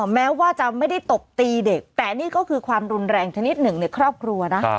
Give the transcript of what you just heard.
แม้ว่าจะไม่ได้ตบตีเด็กแต่นี่ก็คือความรุนแรงชนิดหนึ่งในครอบครัวนะ